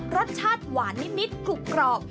รสชาติหวานนิดกรูปกรอบ